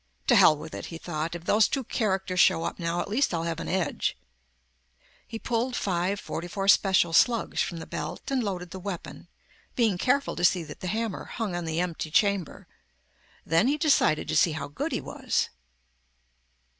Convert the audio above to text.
To hell with it, he thought. If those two characters show up now, at least I'll have an edge. He pulled five .44 Special slugs from the belt and loaded the weapon, being careful to see that the hammer hung on the empty chamber. Then he decided to see how good he was.